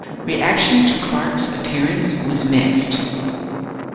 Reaction to Clark's appearance was mixed.